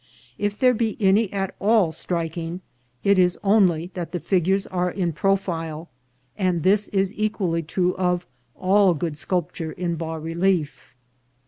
If there be any at all striking, it is only that the figures are in profile, and this is equally true of all good sculpture in bas relief.